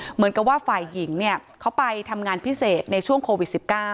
เหมือนกับว่าฝ่ายหญิงเขาไปทำงานพิเศษในช่วงโควิด๑๙